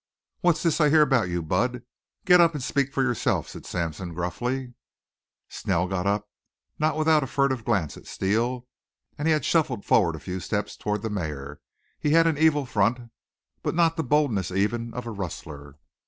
"What's this I hear about you, Bud? Get up and speak for yourself," said Sampson, gruffly. Snell got up, not without a furtive glance at Steele, and he had shuffled forward a few steps toward the mayor. He had an evil front, but not the boldness even of a rustler.